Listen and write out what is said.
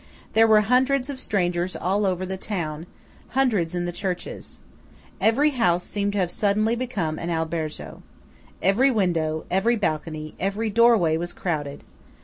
There were hundreds of strangers all over the town; hundreds in the churches. Every house seemed suddenly to have become an albergo. Every window, every balcony, every doorway was crowded.